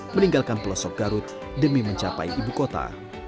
meninggalkan pelosok garut demi mencapai ibu kota